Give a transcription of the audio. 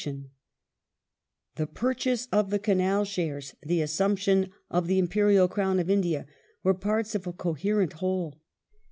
Reopen The purchase of the Canal shares, the assumption of the Im mg of the perial Crown of India, were parts of a coherent whole.